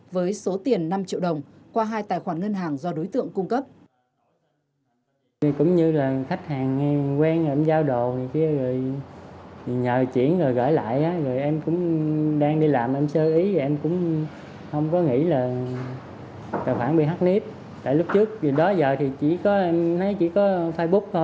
với số tiền năm triệu đồng qua hai tài khoản ngân hàng do đối tượng cung cấp